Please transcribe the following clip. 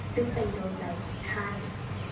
ซึ่งเป็นโดยใจมีไข้